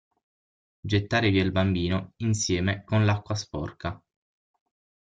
Gettare via il bambino [insieme] con l'acqua sporca.